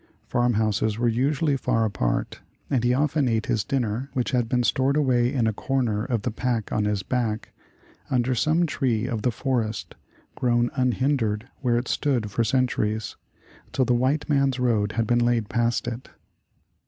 Farm houses were usually far apart, and he often ate his dinner, which had been stored away in a corner of the pack on his back, under some tree of the forest, grown unhindered where it stood for centuries, till the white man's road had been laid past it.